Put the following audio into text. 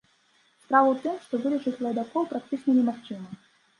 Справа ў тым, што вылічыць лайдакоў практычна немагчыма.